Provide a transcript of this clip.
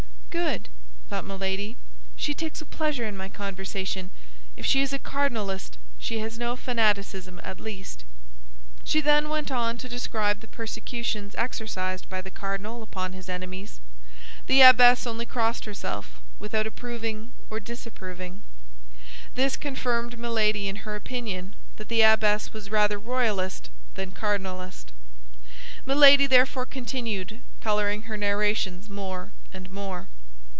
"Good," thought Milady; "she takes a pleasure in my conversation. If she is a cardinalist, she has no fanaticism, at least." She then went on to describe the persecutions exercised by the cardinal upon his enemies. The abbess only crossed herself, without approving or disapproving. This confirmed Milady in her opinion that the abbess was rather royalist than cardinalist. Milady therefore continued, coloring her narrations more and more.